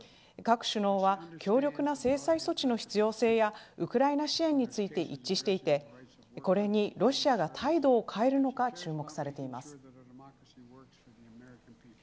各首脳は強力な制裁措置の必要性やウクライナ支援について一致していてこれにロシアが態度を変えるのか注目されています。